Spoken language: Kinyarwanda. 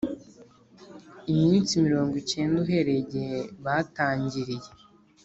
Iminsi mirongo icyenda uhereye igihe batangiriye